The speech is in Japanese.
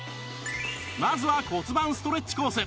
まずは骨盤ストレッチコース